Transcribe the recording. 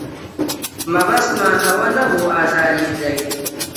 مەبەستمان ئەوە نەبوو ئازاری بدەین.